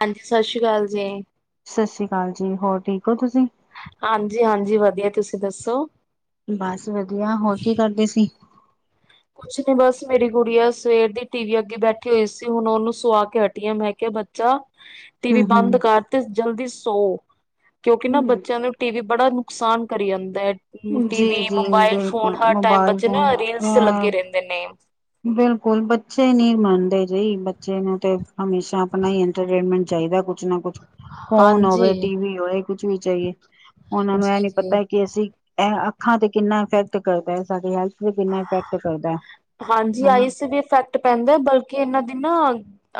ਹਾਂਜੀ ਸਸ਼ ਰੀ ਕਾਲ ਜੀ। ਸਸ ਸ੍ਰੀ ਕਾਲ ਜੀ ਹੋਰ ਠੀਕ ਹੋ ਤੁਸੀਂ। ਹਾਂਜੀ, ਹਾਂਜੀ ਵਧੀ ਬਸ ਵਧੀਆ ਹੋਰ ਕੀ ਕਰਦੇ ਸੀ। ਕੁਛ ਨੀ ਬਸ ਮੇਰੀ ਗੁੜੀਆ ਸਵੇਰ ਦੀ ਟੀ ਵੀ ਅੱਗੇ ਬੈਠੀ ਹੋਈ ਸੀ ਹੁਣ ਉਹਨੂੰ ਸੁਆ ਕੇ ਹਟੀਆਂ ਮੈਂ ਕਿਹਾ ਬੱਚਾ [inaudible] ਟੀ ਵੀ ਬੰਦ ਕਰ ਤੇ ਜਲਦੀ ਸੋ, ਕਿਉਂਕਿ ਨਾ ਹਮ ਬੱਚਿਆਂ ਨੂੰ ਟੀ ਵੀ ਬੜਾ ਨੁਕਸਾਨ ਕਰੀ ਜਾਂਦਾ ਐ। ਹੂੰ ਟੀ ਜੀ ਵੀ ਜੀ ਮੋਬਾਇਲ ਫੋਨ ਬਿਲਕੁਲ ਹਰ ਟਾਈਮ ਮੋਬਾਇਲ ਬੱਚੇ ਫੋਨ ਨਾ ਅ ਰੀਲਸ ਲੱਗੇ ਰਹਿੰਦੇ ਨੇ। ਬਿਲਕੁਲ ਬੱਚੇ ਨੀਂ ਮੰਨਦੇ ਜੀ ਬੱਚੇ ਨੂੰ ਤੇ ਹਮੇਸ਼ਾ ਆਪਣਾ ਹੀ ਇੰਟਰਟੇਨਮੈਂਟ ਚਾਹੀਦਾ ਕੁ ਕੁਛ ਨਾ ਕੁਛ, ਫੋਨ ਹਾਂਜੀ ਹੋਵੇ- ਟੀ ਵੀ ਹੋਵੇ ਕੁਛ ਵੀ ਚਾਹੀਏ ਉਹਨਾਂ ਨੂੰ ਇਹ ਜੀ ਨੀ ਜੀ ਪਤਾ ਕਿ ਅਸੀਂ ਐਹ ਅੱਖਾਂ ਤੇ ਕਿੰਨਾ ਇਫੈਕਟ ਕਰਦਾ ਐ ਸਾਡੀ ਹੈਲਥ ਤੇ ਕਿੰਨਾ ਇਫੈਕਟ ਕਰਦਾ ਐ। ਹਾਂਜੀ ਆਈਸ ਤੇ ਵੀ ਇਫੈਕਟ ਪੈਂਦਾ ਬਲਕਿ ਇਹਨਾਂ ਦੀ ਨਾ,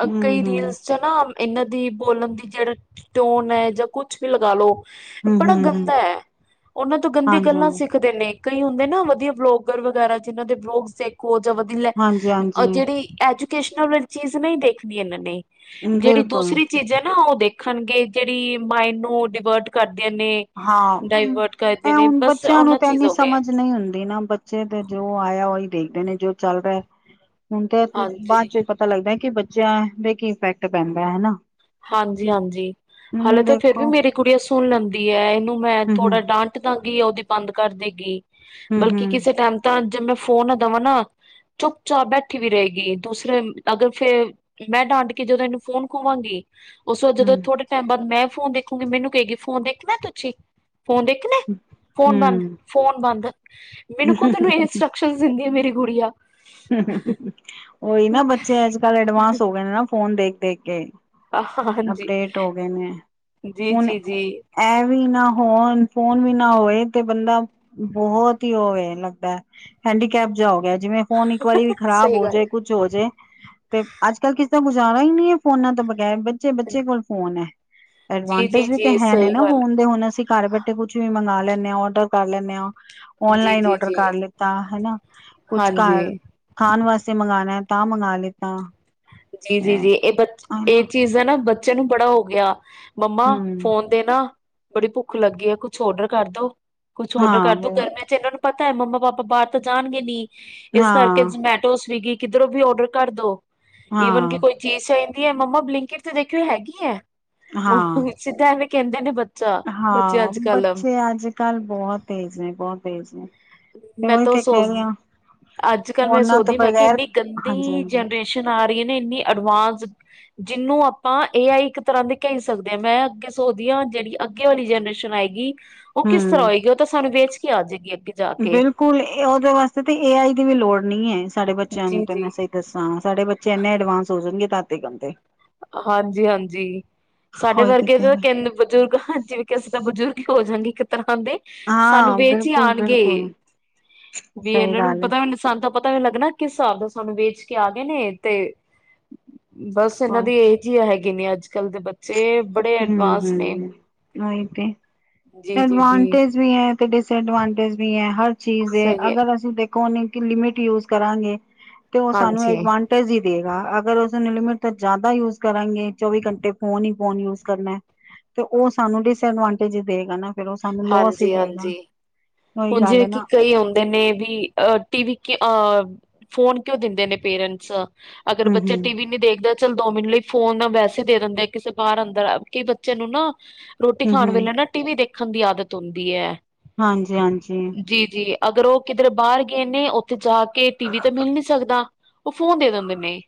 ਹਮ ਹਮ ਕਈ ਹਮ ਰੀਲਸ ਚ ਨਾ ਇਹਨਾਂ ਦੀ ਬੋਲਣ ਦੀ ਜਿਹੜਾ ਟੋਨ ਹੈ ਜਾਂ ਕੁਛ ਵੀ ਲਗਾ ਲੋ ਹਮ ਬੜਾ ਹਮ ਗੰਦਾ ਐ, ਉਹਨਾਂ ਤੋਂ ਗੰਦੀ ਹਾਂਜੀ ਗੱਲਾਂ ਹਾਂਜੀ ਸਿੱਖਦੇ ਨੇ ਕਈ ਹੁੰਦੇ ਨਾ ਵਧੀਆ ਬਲੋਗਰ ਵਗੈਰਾ ਜਿਨਾਂ ਦੇ ਬਲੋਗ ਦੇਖੋ ਜਾਂ ਵਧੀ, ਲ ਹਾਂਜੀ ਜਿਹੜੀ ਐਜੂਕੇਸ਼ਨਲ ਵਾਲੀ ਚੀਜ਼ ਨਈ ਦੇਖਣੀ ਇਨਾਂ ਨੇ ਹਾਂਜੀ ਜਿਹੜੀ ਬਿਲਕੁਲ ਦੂਸਰੀ ਚੀਜ਼ਾਂ ਨਾ ਉਹ ਦੇਖਣਗੇ ਜਿਹੜੀ ਮਾਇੰਡ ਨੂੰ ਡਿਵਰਟ ਕਰਦੀਆਂ ਨੇ ਹਾਂ ਤੇ ਹੂੰ, ਡਾਇਵਰਟ ਕਰਦੇ ਐ ਨੇ ਹੁਣ ਬਸ ਬੱਚਿਆਂ ਨੂੰ ਉਹਨਾਂ ਤਾਂ ਚੀਜ਼ ਇਨੀ ਹੋ ਗਏ ਸਮਝ ਨਈ ਹੁੰਦੀ ਨਾ ਬਚ ਬੱਚੇ ਤੇ ਜੋ ਆਇਆ ਉਹੀ ਦੇਖਦੇ ਨੇ ਜੋ ਚੱਲਦਾ, ਹੁਣ ਤਾਂ ਹਾਂਜੀ ਬਾਅਦ ਚ ਪਤਾ ਪਤਾ ਲੱਗਦਾ ਕਿ ਬੱਚਿਆਂ ਦੇ ਕੀ ਇਫੈਕਟ ਪੈਂਦਾ ਹੈ ਹਨਾ ਹਾਂਜੀ ਹਾਂਜੀ, ਹਾਲੇ ਹਮ ਤਾਂ ਫੇਰ ਵੀ ਦੇਖੋ ਮੇਰੀ ਕੁੜੀਆਂ ਸੁਣ ਲੈਂਦੀ ਹੈ ਇਹਨੂੰ ਮੈਂ ਹਮ ਥੋੜਾ ਹਮ ਡਾਂਟ ਤੇ ਬੰਦ ਈ ਆ ਉਹਦੀ ਬੰਦ ਕਰ ਦੇਗੀ, ਹਮ ਬਲਕਿ ਹਮ ਕਿਸੇ ਟਾਈਮ ਤਾਂ ਜੇ ਮੈਂ ਫੋਨ ਆ ਦਵਾਂ ਨਾ ਚੁੱਪ ਚਾਪ ਬੈਠੀ ਵੀ ਰਹੇਗੀ ਦੂਸਰੇ ਅਗਰ ਫੇਰ ਮੈਂ ਡਾਂਟ ਕੇ ਜਦੋਂ ਇਹਨੂੰ ਫੋਨ ਖੋਵਾਂਗੀ ਉਸੋ ਜਦੋਂ ਹਮ ਥੋੜੇ ਟਾਈਮ ਬਾਅਦ ਮੈਂ ਫੋਨ ਦੇਖੂਗੀ ਮੈਨੂੰ ਕਹਿਗੀ ਫੋਨ ਦੇਖਣਾ ਤੁਸੀਂ ਫੋਨ ਦੇਖਣਾ, ਫੋਨ ਬੰਦ ਹਮ -ਫੋਨ ਬੰਦ, ਮੈਨੂੰ ਕੋ ਤੈਨੂੰ ਏ ਇੰਨਸ- - ਬਣ ਸਕਦੀ ਮੇਰੀ ਗੂੜੀਆ ਉਹੀ ਨਾ ਬੱਚੇ ਅੱਜ ਕੱਲ੍ਹ ਐਡਵਾਂਸ ਹੋ ਗਏ ਨੇ ਨਾ ਫੋਨ ਦੇਖ- ਦੇਖ ਕੇ ਹਾਂਜੀ ਅਪਡੇਟ ਹੋ ਗਏ ਨੇ ਹੁਣ ਜੀ-ਜੀ-ਜੀ। ਇਹ ਵੀ ਨਾ ਹੋਣ ਫੋਨ ਵੀ ਨਾ ਹੋਏ ਤੇ ਬੰਦਾ ਬੋਹਤ ਹੀ ਉਹਵੇ ਲੱਗਦਾ, ਹੈਂਡੀਕੈਪ ਜਿਆ ਹੋ ਗਿਆ ਜਿਵੇਂ ਫੋਨ ਇੱਕ ਵਾਰੀ ਵੀ ਖ਼ਰਾਬ ਸਹੀ ਹੋ ਗੱਲ ਜਾਏ ਕੁਛ ਜੇ ਹੋ ਜੇ, ਤੇ ਅੱਜ ਕੱਲ ਕਿਸੇ ਦਾ ਗੁਜ਼ਾਰਾ ਹੀ ਨੀ ਹੈ ਫੋਨਾਂ ਤੋਂ ਬਗੈਰ ਬ ਜੇ ਹੈ। ਬੱਚੇ ਕੋਲ ਫੋਨ ਐ। ਐਡਵਾਂਟਜ ਵੀ ਤੇ ਜੀ-ਜੀ-ਜੀ ਹੈ ਨੇ ਸਹੀ ਨਾ ਗੱਲ ਫੋਨ ਦੇ ਹੁਣ ਅਸੀਂ ਘਰ ਬੈਠੇ ਕੁਛ ਵੀ ਮੰਗਾ ਲੈਂਨੇ ਆ ਔਡਰ ਕਰ ਲੈਂਨੇ ਆ, ਜੀ, ਔਨਲਾਈਨ ਜੀ, ਔਡਰ ਕਰ ਜੀ, ਲਿੱਤਾ ਹਨਾ ਕੁਛ ਹਾਂਜੀ। ਘਰ, ਖਾਣ ਵਾਸਤੇ ਮੰਗਾਣਾ ਤਾਂ ਮੰਗਵਾ ਲਿੱਤਾ ਜੀ ਜੀ ਹੈ ਜੀ ਇਹ ਬਚ, ਹਨਾ ਇਹ ਚੀਜ਼ ਨਾ ਬੱਚੇ ਨੂੰ ਬੜਾ ਹੋ ਗਿਆ, ਮੰਮਾ ਹਮ ਫੋਨ ਤੇ ਨਾ, ਬੜੀ ਭੁੱਖ ਲੱਗੀ ਆ ਕੁੱਛ ਔਡਰ ਕਰ ਦੋ, ਕੁੱਛ ਔਡਰ ਕਰਦੋ ਹਾਂ ਕਰ ਮੈਂ ਤੇ ਇਨਾਂ ਨੂੰ ਪਤਾ ਮੰਮਾ ਪਾਪਾ ਬਾਹਰ ਤੇ ਜਾਣਗੇ ਨੀ, ਇਸ ਕਰਕੇ ਹਾਂ ਜਮੈਟੋ, ਸਵੀਗੀ ਕਿੱਧਰੋਂ ਵੀ ਔਡਰ ਕਰ ਦੋ ਈਵਨ ਕਿ ਹਾਂ ਕੋਈ ਚੀਜ਼ ਚਾਹੀਦੀ ਹੈ ਮੰਮਾ ਬਲਿੰਕਿਡ ਤੇ ਦੇਖਿਓ ਹੈਗੀ ਹੈ, ਹਾਂ ਮਮਾ ਸਿੱਧਾ ਐਵੇ ਕਹਿੰਦੇ ਨੇ ਬਚ ਹਾਂ ਬੱਚੇ ਅੱਜ ਕੱਲ੍ਹ ਬੋਹਤ ਤੇਜ਼ ਨੇ ਬੋਹਤ ਤੇਜ਼ ਨੇ। ਤੇ ਮੈਂ ਉਹੀ ਤਾਂ ਉਹ ਤੇ ਕਹਿ ਰਹੀ ਸੋਚ ਹਾਂ ਅੱਜ ਕੱਲ ਮੈਂ ਫੋਨਾਂ ਤੋਂ ਸੋਚਦੀ ਆ ਮੈਂ ਕਿਹਾ ਬਗੈਰ ਇੰਨੀ ਹਾਂਜੀ ਗੰਦੀ ਹਾਂਜੀ ਜਨਰੇਸ਼ਨ ਸ਼ਨ ਆ ਰਹੀ ਹੈ ਨਾ ਇੰਨੀ ਐਡਵਾਂਸ। ਜਿਹਨੂੰ ਆਪਾਂ ਏ ਆਈ ਇੱਕ ਤਰਾਂ ਦੀ ਕਹਿ ਸਕਦੇ ਹਾਂ, ਮੈਂ ਅੱਗੇ ਸੋਚਦੀ ਹਾਂ ਜਿਹੜੀ ਅਗੇ ਆਲੀ ਜਨਰੇਸ਼ਨ ਆਏਗੀ, ਉਹ ਕਿਸ ਤਰਾਂ ਹਮ ਹੋਏਗੀ ਉਹ ਤਾਂ ਸਾਨੂੰ ਵੇਚ ਕੇ ਆ ਜਾਵੇਗੀ ਅੱਗੇ ਜਾ ਕੇ ਬਿਲਕੁਲ ਉਹਦੇ ਵਾਸਤੇ ਤੇ ਏ ਆਈ ਦੀ ਵੀ ਲੋੜ ਨਹੀਂ ਹੈ, ਸਾਡੇ ਬੱਚਿਆਂ ਨੂੰ ਜੀ ਤੇ ਜੀ ਮੈਂ ਸਹੀ। ਦੱਸਾਂ ਸਾਡੇ ਬੱਚੇ ਇੰਨੇ ਐਡਵਾਂਸ ਹੋ ਜਾਣਗੇ ਤਾ ਤਕ ਦੇ। ਹਾਂਜੀ- ਹਾਂਜੀ ਸਾਡੇ ਹੋਈ ਤੇ ਵਰਗੇ ਕਹਿ ਤਾਂ ਰਹੇ ਬਜ਼ੁਰਗ ਹਾਂਜੀ। ਕਿ ਅਸੀਂ ਤਾਂ ਬਜ਼ੁਰਗ ਹੋ ਜਾਂਣਗੇ ਇੱਕ ਤਰਾਂ ਦੇ। ਸਾਨੂੰ ਹਾਂ ਵੇਚ ਹੀ ਬਿਲਕੁਲ ਆਉਣਗੇ, ਬਿਲਕੁਲ ਵੀ ਸਹੀ ਇਹਨਾਂ ਨੂੰ ਗੱਲ ਹੈ ਪਤਾ ਮੈੂੰ- ਸਾਨੂੰ ਤਾਂ ਪਤਾ ਵੀ ਲੱਗਣਾ ਕਿਸ ਹਿਸਾਬ ਦਾ ਸਾਨੂੰ ਵੇਚ ਕੇ ਆ ਗਏ ਨੇ, ਤੇ ਬਸ। ਉਹਨਾਂ ਹੋਰ ਦੀ ਏਜੀ ਹੈਗੀ ਨੇ ਅੱਜ ਕੱਲ ਦੇ ਬੱਚੇ ਬੜੇ ਐਡਵਾਂਸ ਨੇ। ਨਹੀ ਤੇ। ਜੀ ਜੀ ਜੀ ਐਡਵਾਂਟੇਜ ਵੀ ਹੈ ਤੇ, ਡਿਸਐਡਵਾਂਟੇਜ ਵੀ ਹੈ, ਹਰ ਚੀਜ਼ ਦੇ ਸਹੀ ਹੈ ਅਗਰ ਅਸੀਂ ਦੇ- ਕੀ ਲਿਮਿਟ ਯੂਜ ਕਰਾਂਗੇ ਤੇ ਉਹ ਸਾਨੂੰ ਹਾਂਜੀ ਐਡ ਵਾਨ - ਟੇਜ ਹੀ ਦੇਗਾ ਅਗਰ ਉਸ ਲਿਮਿਟ ਤਾਂ ਜ਼ਿਆਦਾ ਯੂਜ ਕਰਾਂਂਗੇ ਚੌਵੀ ਘੰਟੇ ਫੋਨ ਹੀ ਫੋਨ ਯੂਜ ਕਰਨਾ ਹੈ, ਤੇ ਤੇ ਉਹ ਸਾਨੂੰ ਦਿਸ ਐਡਵਾਂਟੇਜ ਹੀ ਦੇਗਾ ਫੇਰ ਸਾਨੂੰ ਲੋਸ ਹੀ ਹਾਂਜੀ ਦੇਗਾ। ਹਾਂਜੀ। ਉਹੀ ਹੁਣ ਗੱਲ ਹੈ ਜਿਵੇਂ ਕਿ ਨਾ ਕਰਿਏ ਹੁਣ। ਨੇ ਵੀ ਅਹ ਟੀਵ ਅ ਫੋਨ ਕਿਉਂ ਦਿੰਦੇ ਨੇ ਪੇਰੈਂਟਸ। ਅਗਰ ਹਮ ਬੱਚਾ ਹਮ ਟੀ ਵੀ ਨੀ ਦੇਖਦਾ, ਦੋ ਮਿੰਟ ਲਈ ਫੋਨ ਨਾ ਵੈਸੇ ਦੇ ਦਿੰਦੇ ਕਿਸੇ ਬਾਹਰ ਅੰਦਰ ਕਈ ਬੱਚੇ ਨੂੰ ਨਾ ਰੋਟੀ ਹਮ ਖਾਣ ਹਮ ਵੇਲੇ ਨਾ ਟੀਵੀ ਦੇਖਣ ਦੀ ਆਦਤ ਹੁੰਦੀ ਹੈ। ਹਾਂਜੀ- ਹਾਂਜੀ। ਜੀ- ਜੀ ਅਗਰ ਉਹ ਕਿਧਰੇ ਬਾਹਰ ਗਏ ਨੇ ਉੱਥੇ ਜਾ ਕੇ ਟੀ ਵੀ ਤੇ ਮਿਲ ਨੀ ਸਕਦਾ। ਤੇ ਫੋਨ ਦੇ ਦਿਦੇ ਨੇ।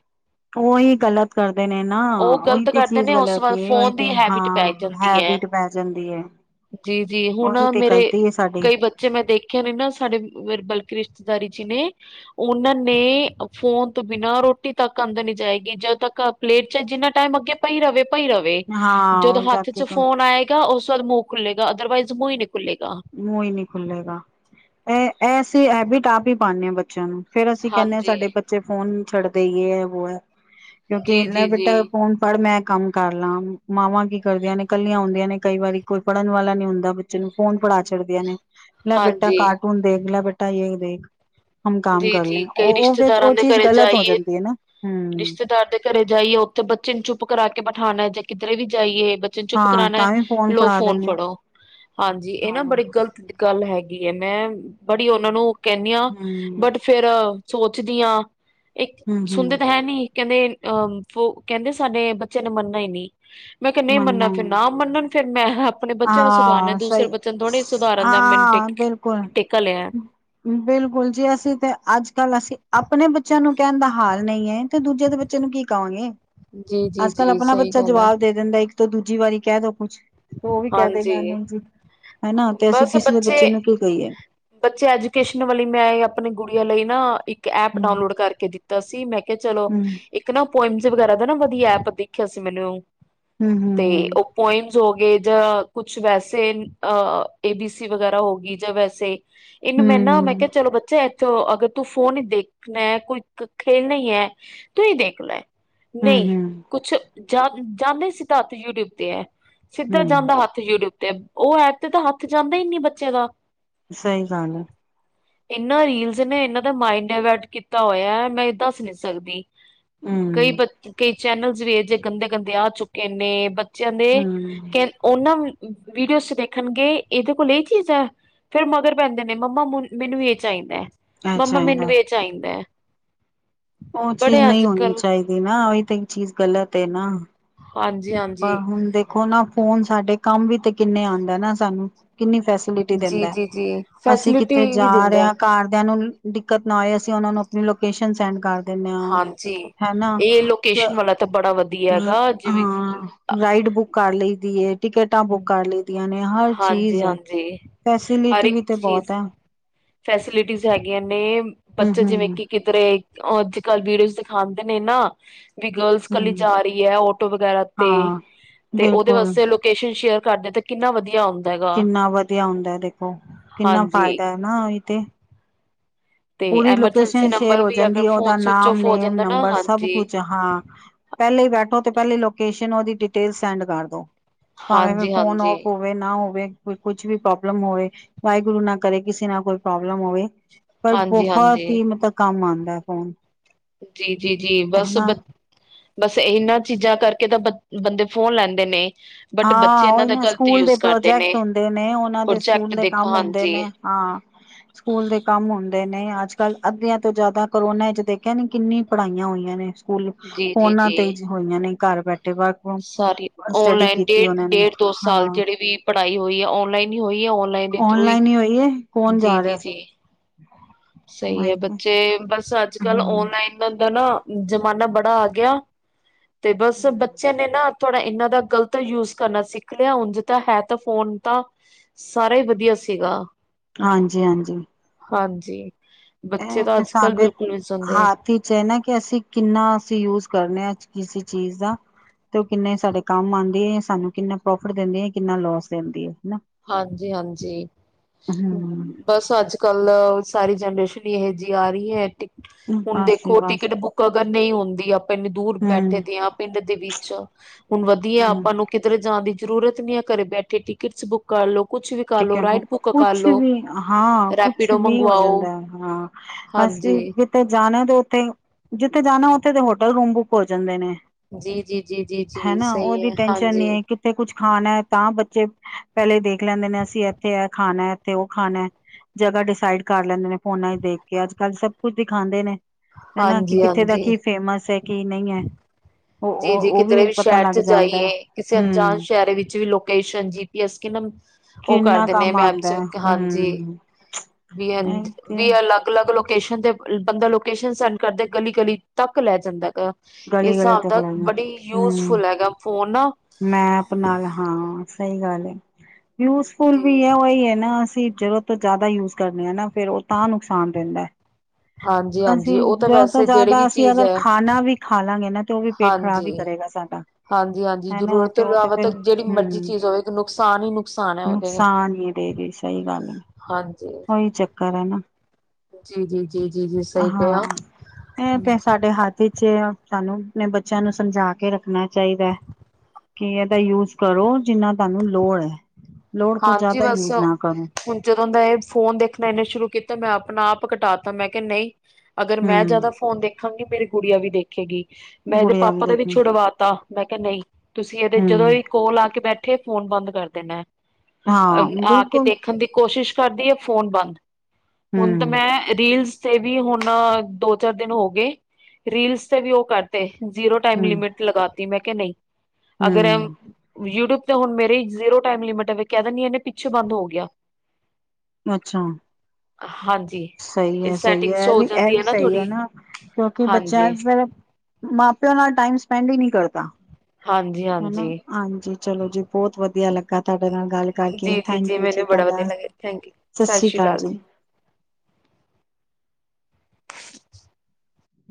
ਉਹੀ ਗਲਤ ਕਰਦੇ ਨੇ ਨਾ, ਉਹ ਉਹੀ ਗ਼ਲਤ ਤੇ ਕਰਦੇ ਚੀਜ਼ ਨੇ ਉਸ ਤੋਂ ਗਲਤ ਬਾਅਦ ਉਹੀ ਫੋਨ ਦੀ ਤੇ ਹੈਬਿਟ ਪੈ ਹਾਂ, ਜਾਂਦੀ ਹੈ। ਹੈਬਿਟ। ਆ ਜਾਂਦੀ ਐ। ਜੀ- ਜੀ ਹੁਣ ਔ ਮੇਰੇ ਕਈ। ਬੱਚੇ ਮੈਂ ਦੇਖਿਆ ਨੇ ਨਾ ਸਾਡੇ ਕਲਕਿ ਰਿਸ਼ਤੇਦਾਰੀ ਚ ਈ ਨੇ। ਉਹਨਾਂ ਨੇ ਫੋਨ ਤੋਂ ਬਿਨਾਂ ਰੋਟੀ ਤੱਕ ਅੱਦਰ ਨਹੀ ਜਾਏਗੀ, ਜਦੋਂ ਤੱਕ ਪਲੇਟ ਚ ਜਿੰਨਾ ਟਾਈਮ ਅੱਗੇ ਪਈ ਰਵੇ- ਪਈ ਰਵੇ, ਜਦੋਂ ਹਾਂ ਜਾ ਹੱਥ ਚ ਕੇ ਫੋਨ ਆਏ ਤੋ ਉਸ ਬਾਦ ਮੂੰਹ ਖੁੱਲੇਗਾ ਅਦਰਵਾਈਜ਼ ਮੂੰਹ ਹੀ ਨਹੀਂ ਖੁੱਲੇਗਾ। ਮੂੰਹ ਹੀ ਨਹੀਂ ਖੁੱਲੇਗਾ, ਇਹ ਇਹਸੀਂ ਹੈਬੀਟ ਆਪ ਹੀ ਪਾਣੇ ਆ ਬੱਚਿਆਂ ਨੂੰ। ਫੇਰ ਅਸੀਂ ਕਹਿੰਦੇ ਹਾਂ ਹਾਂਜੀ ਸਾਡੇ ਬੱਚੇ ਫੋਨ ਨੀ ਛੱਡਦੇ ਜੇ ਹੈ- ਵੋ ਹੈ ਕਿਉਂਕਿ ਜੀ ਜੀ ਲੇਬੇਟ ਜੀ ਫੋਨ। ਪਰ ਮੈਂ ਕੰਮ ਕਰ ਲਾਂ ਮਾਵਾਂ ਕੀ ਕਰਦੀਆਂ ਨੇ ਕੱਲੀਆਂ ਹੁੰਦੀਆਂ ਨੇ ਕਈ ਵਾਰੀ ਕੋਈ ਫੜਨ ਵਾਲਾ ਨੀ ਹੁੰਦਾ ਬੱਚੇ ਨੂੰ, ਫੋਨ। ਪੜਾ ਚੜਦੀਆਂ ਨੇ ਲੈ ਬੇਟਾ ਹਾਂਜੀ ਕਾਰਟੂਨ ਦੇਖ ਲੈ ਬੇਟਾ ਯੇ ਦੇਖ। ਹਮ ਕਾਮ ਜੀ ਕਰ ਲੈ ਜੀ ਕਈ ਉਹ- ਉਹ ਰਿਸ਼ਤੇਦਾਰਾਂ ਉਹ ਦੇ ਚੀਜ਼ ਘਰੇ ਗ਼ਲਤ ਹੋ ਜਾਈਏ ਜਾਂਦੀ ਹੈ ਨਾ, ਹੂੰ। ਰਿਸ਼ਤੇਦਾਰ ਦੇ ਘਰੇ ਜਾਈਏ ਉੱਥੇ ਬੱਚੇ ਨੂੰ ਚੁੱਪ ਕਰਾ ਕੇ ਬਿਠਾਣਾ ਜਾਂ ਕਿਧਰੇ ਵੀ ਜਾਈਏ, ਬ- ਜੇ ਚੁੱਪ ਹਾਂ ਕਰਾਣਾ ਤਾਂ ਵੀ ਲੋ ਫੜਾ ਫੋਨ ਦਿੰਦੇ ਫੜੋ ਹਾਂਜੀ ਇਹ ਹਾਂ ਨਾ ਬੜੀ ਗ਼ਲਤ। ਗੱਲ ਹੈਗੀ ਹੈ, ਮੈਂ ਬੜੀ ਉਹਨਾਂ ਨੂੰ ਕਹਿੰਣੀ ਆ। ਹਮ ਫੇਰ ਓਸ ਸੋਚਦੀ ਆ ਇੱਕ ਹਮ ਸੁਣਦੇ ਹਮ ਤਾਂ ਹੈ ਨੀ ਕਹਿੰਦੇ। ਆ ਬੋ ਕਹਿੰਦੇ ਸਾਡੇ ਬੱਚਿਆਂ ਨੇ ਮੰਨਨਾ ਹੀ ਈ ਨਹੀਂ, ਮੈਂ ਕਿਹਾ ਨਹੀਂ ਮੰਨਨਾ ਨਾ ਮੰਨਣ। ਫੇਰ ਮੈਂ ਆਪਣੇ ਬੱਚਿਆਂ ਨੂੰ ਸੁਧਾਰਨ ਹਾਂ ਦੂਸਰੇ ਸਹੀ ਬੱਚਿਆਂ ਨੂੰ ਥੋੜੇ ਸੁਧਾਰਨ ਦਾ ਮੈਨ ਟੇ ਹਾਂ ਬਿਲਕੁਲ ਟੇਕਾ ਲਿਆ। ਬਿਲਕੁਲ ਜੀ ਅਸੀਂ ਤੇ ਅੱਜ ਕੱਲ ਅਸੀਂ। ਆਪਣੇ ਬੱਚਿਆਂ ਨੂੰ ਕਹਿਣ ਦਾ ਹਾਲ ਨਹੀਂ ਹੈ, ਤੇ ਦੂਜੇ ਦੇ ਬੱਚਿਆਂ ਨੂੰ ਕੀ ਕਹੋ ਗੇ। ਜੀ ਜੀ ਅੱਜ ਕੱਲ ਜੀ ਆਪਣਾ ਸਹੀ ਬੱਚਾ ਗੱਲ ਆ ਜਵਾਬ ਦੇ ਦਿੰਦਾ ਇੱਕ ਤੋਂ ਦੂਜੀ ਵਾਰੀ ਕਹਿ ਦੋ ਕੁੱਛ। ਓ ਵੀ ਕੈ ਦੇ ਹਾਂਜੀ ਗਾ ਨਈ ਜੀ ਹਨਾ ਤੇ ਅਸੀਂ ਕਿਸੇ ਦੇ ਬੱਚੇ ਨੂੰ ਕੀ ਕਈਏ? ਬੱਚੇ ਐਜੂਕੇਸ਼ਨ ਵਾਲੀ ਮੈਂ ਆਪਣੀ ਗੁੜੀਆਂ ਲਈ ਨਾ ਇੱਕ ਐਪ ਹਮ ਡਾਊਨਲੋਡ ਕਰਕੇ ਦਿੱਤਾ ਸੀ ਮੈਂ ਕੇਆ ਚਲੋ ਹਮ ਇੱਕ ਨਾ ਪੋਇਮ ਸੀ ਵਗੈਰਾ ਦਾ ਨਾ ਵਧੀਆ ਐਪ ਦਿਖਿਆ ਸੀ ਮੈਨੂੰ। ਹੂ ਹੂ ਤੇ ਓ ਪੋਇਮਸ ਹੋ ਗੇ ਜ ਕੁਛ ਵੈਸੇ ਅ ਏ ਬੀ ਸੀ ਵਗੈਰਾ ਹੋਗੀ ਜਾਂ ਵੈਸੇ ਹਮ ਇਨੂੰ ਮੈਂ ਨਾ ਮੈਂ ਹਮ ਕੇਆ ਚਲੋ ਬੱਚਾ ਅਗਰ ਤੂੰ ਫੋਨ ਈ ਦੇਖਣਾ ਐ ਕੋਈ ਖੇਲਣਾ ਈ ਐ ਤੂੰ ਈ ਦੇਖ ਲੈ। ਨਈ ਹੂੰ-ਹੂੰ-ਹੂੰ ਕੁਛ ਜਾ ਜਾਂਦੇ ਸਿਧਾ ਹੱਥ ਯੂਟਿਊਬ ਤੇ ਐ। ਸਿੱਦਾ ਜਾਂਦਾ ਹੱਥ ਯੂਟਿਊਬ ਤੇ ਓ ਐੱਪ ਤੇ ਤਾਂ ਹੱਥ ਜਾਂਦਾ ਈ ਨੀ ਬੱਚੇ ਦਾ ਸਈ ਗੱਲ ਐ। ਇਨਾਂ ਰੀਲਸ ਨੇ ਇਨਾਂ ਦਾ ਮਾਇਡ ਡਾਇਵਰਟ ਕੀਤਾ ਹੋਇਆ ਮੈਂ ਦੱਸ ਨੀ ਸਕਦੀ। ਹੁੰ ਕਈ ਕਈ ਚੈਨਲਸ ਵੀ ਇਹੋ ਜੇ ਗੰਦੇ ਗੰਦੇ ਆ ਚੁੱਕੇ ਨੇ ਬੱਚਿਆਂ ਦੇ ਹੂੰ-ਹੂੰ ਓਨਾਂ ਵੀਡੀਓ ਚ ਦੇਖਣਗੇ ਏਦੇ ਕੋਲ ਏ ਕੀ ਹੇਗਾ। ਫੇਰ ਮਗਰ ਪੈਂਦੇ ਨੇ ਮੰਮਾ ਮੁ ਮੈਨੂੰ ਏ ਚਾਈਦਾ। ਇਹ ਮੰਮਾ ਮੈਨੂੰ ਚਾਹੀਦਾ ਵੀ ਏ ਚਾਈਦੈ। ਓ ਚੀਜ਼ ਨਈ ਹੋਣੀ ਚਾਈਦੀ ਨਾ ਓਈ ਤੇ ਏਕ ਚੀਜ਼ ਗ਼ਲਤ ਏ ਨਾ। ਹਾਂਜੀ ਹਾਂਜ ਪਰ ਹੁਣ ਦੇਖੋ ਨਾ ਫੋਨ ਸਾਡੇ ਕੰਮ ਵੀ ਤੇ ਕਿੰਨੇ ਆਂਦਾ ਏ ਨਾ ਸਾਨੂੰ ਕਿੰਨੀ ਫੈਸ ਲੀਟੀ ਦਿੰਦਾ ਏ ਜੀ-ਜੀ-ਜੀ ਅਸੀਂ ਫੈਸਿਲਿਟੀ ਕਿੱਥੇ ਵੀ ਜਾ ਰੇ ਦਿੰਦਾ ਆਂ ਘਰਦਿਆਂ ਨੂੰ ਦਿੱਕਤ ਨਾ ਆਏ ਅਸੀਂ ਓਨਾਂ ਨੂੰ ਆਪਣੀ ਲੋਕੇਸ਼ਨ ਸੈਂਡ ਕਰ ਦੇਨੇ ਆਂ ਹਾਂਜੀ। ਹੈਨਾ ਇਹ ਅ ਲੋਕੇਸ਼ਨ ਵਾਲਾ ਤਾਂ ਬੜਾ ਵਧੀਆ ਹੈਗਾ ਜਿਵੇਂ ਹਾਂ ਰਾਈਡ ਬੁੱਕ ਕਰ ਲਈ ਦੀ ਏ ਟਿਕਟਾਂ ਬੁੱਕ ਕਰ ਲਈ ਨੇ ਹਰ ਚੀਜ਼ ਐ ਹਾਂਜੀ-ਹਾਂਜੀ ਹਰ ਫੈਸਿਲਿਟੀ ਇੱਕ ਵੀ ਤੇ ਚੀਜ਼ ਬੌਤ ਐ। ਫੈਸਿਲਿਟੀਜ਼ ਹੈਗੀਆਂ ਨੇ ਬੱਚੇ ਜਿਵੇਂ ਹੂੰ-ਹੂੰ-ਹੂੰ ਕਿ ਕਿਧਰੇ ਓ ਅੱਜ ਕੱਲ ਵੀਡੀਓਜ਼ ਦਿਖਾਂਦੇ ਨੇ ਨਾ। ਵੀ ਗਰਲਸ ਕੱਲੀ ਜਾ ਰੀ ਐ ਔਟੋ ਵਗੈਰਾ ਤੇ ਹਾਂ ਤੇ ਓਦੇ ਬਿਲਕੁਲ ਵਾਸਤੇ ਲੋਕ ਲੋਕੇਸ਼ਨ ਸ਼ੇਅਰ ਕਰਦੇ ਤੇ ਕਿੰਨਾ ਵਧੀਆ ਆਉ ਕਿੰਨਾ ਵਧੀਆ ਹੁੰਦਾ ਦੇਖੋ ਕਿੰਨਾ ਹਾਂਜੀ ਫਾਇਦਾ ਐ ਨਾ ਓਈ ਤੇ। ਤੇ ਪੂਰੀ ਐਮਰਜੈਂਸੀ ਲੋਕੇਸ਼ਨ ਸ਼ੇਅਰ ਨੰਬਰ ਹੋ ਵੀ ਜਾਂਦੀ ਅਗਰ ਐ ਓਦਾ ਫੋਨ ਸਵਿਚ ਨਾਮ, ਔਫ ਹੋ ਨੇਮ, ਜਾਂਦਾ ਨਾ ਨੰਬਰ ਸਭ ਹਾਂਜੀ ਕੁਜ। ਹਾਂ, ਪੈਲੇ ਬੈਠੋ ਤੇ ਪੈਲੇ ਲੋਕੇਸ਼ਨ ਓਦੀ ਡਿਟੇਲ ਸੈਂਡ ਕਰ ਦੋ। ਭਾਵੇਂ ਫੇ ਹਾਂਜੀ ਫੋਨ ਹਾਂਜੀ ਓਫ ਹੋ। ਹੋਵੇ ਨਾ ਹੋਵੇ ਕੋ ਕੁਛ ਵੀ ਪ੍ਰੋਬਲਮ ਹੋਵੇ ਵਾਹਿਗੁਰੂ ਨਾ ਕਰੇ ਕਿਸੇ ਨਾਲ ਕੋਈ ਪ੍ਰੋਬਲਮ ਹੋਵੇ। ਪਰ ਹਾਂਜੀ ਬਹੁਤ ਹਾਂਜੀ ਹੀ ਮਤਲ ਕੰਮ ਆਉਂਦਾ ਏ ਫੋਨ। ਜੀ, ਜੀ, ਜੀ ਬਸ ਬ ਹਨਾ ਬਸ ਏਨਾਂ ਚੀਜ਼ਾਂ ਕਰਕੇ ਤਾਂ ਬ ਬੰਦੇ ਫੋਨ ਲੈਂਦੇ ਨੇ। ਬਟ ਬੱਚੇ ਹਾਂ ਇਹਨਾਂ ਓਈ ਦਾ ਨਾ ਗ਼ਲਤ ਸਕੂਲ ਦੇ ਯੂਜ ਕਰਦੇ ਪ੍ਰੋਜੈਕਟ ਹੁੰਦੇ ਨੇ ਓਨਾਂ ਦੇ ਸਕੂਲ ਪ੍ਰੋਜੈਕਟ ਦੇ ਕੰਮ ਦੇਖੋ ਹੁੰਦੇ ਹਾਂਜੀ ਨੇ। ਹਾਂ ਸਕੂਲ ਦੇ ਕੰਮ ਹੁੰਦੇ ਨੇ ਅੱਜ ਕੱਲ ਅੱਧਿਆਂ ਤੋਂ ਜਿਆਦਾ ਕਰੋਨਾ ਚ ਦੇਖਿਆ ਨੀ ਕਿੰਨੀ ਪੜ੍ਹਾਈਆਂ ਹੋਈਆਂ ਨੇ। ਸਕੂਲ ਜੀ ਜੀ ਫੋਨਾਂ ਤੇਈ ਜੀ ਹੋਈਆਂ ਨੇ ਘਰ ਬੈਠੇ ਵ ਸਾਰੀ ਔਨਲਾਈਨ ਡੇ ਡੇਢ ਦੋ ਸਾਲ ਹਾਂ ਜੇੜੀ ਵੀ ਪੜ੍ਹਾਈ ਹੋਈ ਆ ਔਨਲਾਈਨ ਹੀ ਹੋਈ ਆ ਔਨਲਾਈਨ ਦੇ ਥਰੂ ਈ। ਔਨਲਾਈਨ ਹੀ ਹੋਈ ਕੌਣ ਜਾ ਰੇਆ ਸੀ? ਸਹੀ ਐ ਮਾਇਕੇ ਬੱਚੇ ਬਸ ਅੱਜ-ਕੱਲ ਹੂੰ ਔਨਲਾਈਨ ਦਾ ਨਾ ਜਮਾਨਾ ਬੜਾ ਆ ਗਿਆ ਤੇ ਬਸ ਬੱਚਿਆਂ ਨੇ ਨਾ ਥੋੜ੍ਹਾ ਇਹਨਾਂ ਦਾ ਗ਼ਲਤ ਯੂਜ ਕਰਨਾ ਸਿੱਖ ਲਿਆ ਉਂਝ ਤਾਂ ਹੈ ਤਾਂ ਫੋਨ ਤਾਂ ਸਾਰਾ ਹੀ ਵਧੀਆ ਸੀਗਾ। ਹਾਂਜੀ ਹਾਂਜੀ। ਹਾਂਜੀ, ਬੱਚੇ ਤਾਂ ਅੱਜ-ਕੱਲ ਬਿਲਕੁਲ ਵੀ ਨੀਂ ਸੋਣਦੇ। ਇਚ ਐ ਨਾ ਕਿ ਅਸੀਂ ਕਿੰਨਾ ਅਸੀਂ ਯੂਜ ਕਰਨੇ ਆਂ ਕਿਸੇ ਚੀਜ਼ ਦਾ। ਤੇ ਉਹ ਕਿੰਨੇ ਸਾਡੇ ਕੰਮ ਆਂਦੀ ਏ, ਸਾਨੂੰ ਕਿੰਨਾ ਪ੍ਰੋਫਿਟ ਦਿੰਦੇ ਏ, ਕਿੰਨਾ ਲੋਸ ਦਿੰਦੀ ਐ। ਹਨਾ? ਹਾਂਜੀ ਹਾਂਜੀ ਹੂੰ ਬਸ ਅੱਜ-ਕੱਲ ਸਾਰੀ ਜਨਰੇਸ਼ਨ ਈ ਇਹੋ ਜਿਹੀ ਆ ਰਹੀ ਐ ਟਿਕ ਹੁਣ ਬਸ ਜੀ ਦੇਖੋ ਬਸ ਟਿਕਟ ਬੁੱਕ ਕਗਰ ਨ੍ਹੀਂ ਹੁੰਦੀ ਆਪਾਂ ਇੰਨੀ ਦੂਰ ਹੂੰ ਬੈਠੇ ਦੇ ਆਂ ਪਿੰਡ ਦੇ ਵਿੱਚ, ਹੁਣ ਵਧੀਆ ਹੂੰ ਆਪਾਂ ਨੂੰ ਕਿਧਰੇ ਜਾਣ ਦੀ ਜ਼ਰੂਰਤ ਨੀ ਏ, ਘਰੇ ਬੈਠੇ ਟਿਕਟਸ ਬੁੱਕ ਕਰ ਲੋ ਕੁਛ ਵੀ ਕਰ ਲੋ, ਟਿਕਟ ਰਾਈਡ ਬੁੱਕ ਕਰ ਕੁਛ ਲੋ, ਵੀ ਹਾਂ ਕੁਛ ਰੈਪੀਡੋ ਵੀ ਹੋ ਮੰਗਵਾਓ। ਹਾਂਜੀ। ਤੇ ਜਾਣਾ ਤੇ ਉੱਥੇ, ਜਿੱਥੇ ਜਾਣਾ ਉੱਥੇ ਦੇ ਹੋਟਲ ਰੂਮ ਬੁੱਕ ਹੋ ਜਾਂਦੇ ਨੇ। ਜੀ ਜੀ ਜੀ ਜੀ ਜੀ ਸਹੀ ਐ, ਹਾਂਜੀ। ਇੱਥੇ ਕੁਛ ਖਾਣਾ, ਤਾਂ ਬੱਚੇ ਪਹਿਲੇ ਦੇਖ ਲੈਂਦੇ ਨੇ, ਅਸੀਂ ਇੱਥੇ ਇਹ ਖਾਣਾ ਇੱਥੇ ਉਹ ਖਾਣਾ। ਜਗ੍ਹਾ ਡਿਸਾਈਡ ਕਰ ਲੈਂਦੇ ਨੇ ਫੋਨਾ ਚ ਦੇਖ ਕੇ, ਅੱਜ-ਕੱਲ੍ਹ ਸਭ ਕੁਛ ਦਿਖਾਂਦੇ ਨੇ। ਹਨਾ? ਕਿ ਹਾਂਜੀ ਕਿੱਥੇ ਦਾ ਹਾਂਜੀ ਕੀ ਫੇਮਸ ਐ, ਕੀ ਨਈਂ ਐ। ਜੀ ਜੀ ਕਿਧਰੇ ਵੀ ਸ਼ਹਿਰ ਚ ਹੈ। ਜਾਈਏ, ਕਿਸੇ ਅਣਜਾਨ ਹਮ ਸ਼ਹਿਰ ਵਿੱਚ ਵੀ ਲੋਕੇਸ਼ਨ ਜੀ ਯਸ ਕਿਨਮ ਉਹ ਕਰ ਕਿੰਨਾ ਦਿਨੇ ਨੇ ਕੰਮ ਮੈਪ ਆਉਂਦਾ ਚ ਹੈ। ਹਾਂਜੀ ਹਮ ਵੀ ਇਹ ਵੀ ਤੇ ਲੱ ਗ ਅਲੱਗ ਲੋਕੇਸ਼ਨ ਤੇ, ਬੰਦਾ ਲੋਕੇਸ਼ਨ ਸੈਂਡ ਕਰਦੇ ਗਲੀ-ਗਲੀ ਤੱਕ ਲੈ ਜਾਂਦਾ ਗਾ। ਇਸ ਗਲੀ ਗਲੀ ਹਿਸਾਬ ਤੱਕ ਦਾ ਲਾਈਆਂ ਬੜੀ ਯੂਜਫੁਲ ਹੈਗਾ ਫੋਨ ਨਾ। ਮੈਂਪ ਨਾਲ ਹਾਂ, ਸਹੀ ਗੱਲ ਐ। ਯੂਜਫੁਲ ਵੀ ਜੀ। ਐ, ਉਹੀ ਐ ਨਾ ਅਸੀਂ ਜ਼ਰੂਰਤ ਤੋਂ ਜ਼ਿਆਦਾ ਯੂਜ ਕਰਨੇ ਆ ਨਾ ਫਿਰ ਉਹ ਤਾਂ ਨੁਕਸਾਨ ਦੇਂਦਾ। ਹਾਂਜੀ-ਹਾਂਜੀ ਅਸੀਂ ਉਹ ਤਾਂ ਜ਼ਰੂਤ ਤੋਂ ਵੈਸੇ ਜਿਹੜੀ ਜ਼ਿਆਦਾ ਵੀ ਅਸੀਂ ਚੀਜ਼ ਅਗਰ ਹੈ ਖਾਣਾ ਵੀ ਖਾ ਲਾਂਗੇ ਨਾ ਤੇ ਉਹ ਵੀ ਪੇਟ ਖ਼ਰਾਬ ਈ ਹਾਂਜੀ। ਕਰੇਗਾ ਸਾਡਾ। ਹਾਂਜੀ-ਹਾਂਜੀ ਹੇਨਾ ਜ਼ਰੂਰਤ ਤੇ ਤੋਂ ਉਹ ਤੇ ਇਲਾਵਾ ਫੇਰ, ਤਾਂ ਜਿਹੜੀ ਹਂ ਮਰਜ਼ੀ ਚੀਜ਼ ਹੋਵੇ ਨੁਕਸਾਨ ਹੀ ਨੁਕਸਾਨ ਹੈ ਉਹਦੇ। ਨੁਕਸਾਨ ਈ ਐਦ ਚ। ਸਹੀ ਗੱਲ ਐ। ਹਾਂਜੀ। ਕਰੇ ਨਾ, ਜੀ-ਜੀ, ਜੀ-ਜੀ, ਜੀ ਸਹੀ ਕਿਹਾ। ਹਾਂ ਇਹ ਤੇ ਸਾਡੇ ਹੱਥ ਵਿਚ ਐ, ਸਾਨੂੰ ਆਪਣੇ ਬੱਚਿਆਂ ਨੂੰ ਸਮਝਾ ਕੇ ਰੱਖਣਾ ਚਾਈਦਾ ਐ। ਕਿ ਇਹਦਾ ਯੂਜ ਕਰੋ, ਜਿੰਨਾ ਤੁਹਾਨੂੰ ਲੋੜ ਐ, ਲੋੜ ਤੋਂ ਹਾਂਜੀ ਜ਼ਿਆਦਾ ਬਸ ਯੂਜ ਨਾ ਕਰੋ। ਹੁਣ ਜਦੋਂ ਦਾ ਇਹ ਫੋਨ ਦੇਖਣਾ ਇੰਨੇ ਸ਼ੁਰੂ ਕੀਤਾ, ਮੈਂ ਆਪਣਾ ਆਪ ਕਟਾ ਤਾ ਮੈਂ ਕਿਆ ਨਈ। ਅਗਰ ਮੈਂ ਜ਼ਿਆਦਾ ਫੋਨ ਦੇਖਾਂਗੀ, ਮੇਰੀ ਗੁੜੀਆ ਵੀ ਦੇਖੇਗੀ। ਮੈਂ ਇਹਦੇ ਪਾਪਾ ਦਾ ਵੀ ਛੁਡਵਾਤਾ, ਮੈਂ ਕਿਆ ਨਈ ਤੁਸੀਂ ਇਹਦੇ ਜਦੋਂ ਵੀ ਕੋਲ ਆ ਕੇ ਬੈਠ ਠੇ, ਫੋਨ ਬੰਦ ਕਰ ਦੇਣਾ। ਅ ਆ ਕੇ ਦੇਖਣ ਦੀ ਕੋਸ਼ਿਸ਼ ਕਰਦੀ ਐ, ਫੋਨ ਬੰਦ ਹੁਣ ਤਾਂ ਮੈਂ ਰੀਲਸ ਤੇ ਵੀ ਹੁਣ ਦੋ-ਚਾਰ ਦਿਨ ਹੋਗੇ, ਰੀਲਸ ਤੇ ਵੀ ਉਹ ਕਰਤ ਤੇ ਜ਼ੀਰੋ ਟਾਈਮ ਲਿਮਿਟ ਲਗਾਤੀ, ਮੈਂ ਕਿਆ ਨਈ। ਅਗਰ ਯੂਟਿਊਬ ਤੇ ਹੁਣ ਮੇਰੇ ਜ਼ੀਰੋ ਟਾਈਮ ਲਿਮਿਟ ਵੇ, ਕਹਿ ਦੇਨੀ ਇਹਨੇ ਪਿੱਛੇ ਬੰਦ ਹੋ ਗਿਆ। ਅੱਛਾ। ਹਾਂਜੀ। ਸਈ ਐ-ਸਈ ਸੈਟਿੰਗ ਹੋ ਐ ਐ ਜਾਂਦੀ ਵੀ ਹੈ ਸਹੀ ਐ ਥੋੜੀ ਨਾ, ਕਿਓਂਕਿ ਬੱਚਿਆਂ ਹਾਂਜੀ ਚ ਫਿਰ ਮਾਂ-ਪਿਓ ਨਾਲ ਟਾਈਮ ਸਪੈਂਡ ਈ ਨੀ ਕਰਦਾ। ਹਾਂਜੀ ਹਾਂ ਹਨਾ ਹਾਂਜੀ ਚਲੋ ਜੀ ਬੋਤ ਵਧੀਆ ਲੱਗਾ ਤਾਡੇ ਨਾਲ ਗੱਲ ਕਰਕੇ। ਜੀ ਥੈਂਕ ਯੂ ਜੀ ਮੈਨੂੰ ਬੜਾ ਵਧੀਆ ਤਾਡਾ, ਲੱਗਿਆ ਥੈਂਕ ਯੂ ਸਤਿ ਸਸ ਰੀ ਸ਼੍ਰੀ ਕਾਲ ਅਕਾਲ ਜੀ।